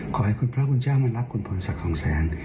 ขอให้คุณพระคุณเจ้ามารับคุณพรศักดิ์สองแสน